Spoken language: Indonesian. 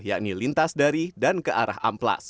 yakni lintas dari dan ke arah amplas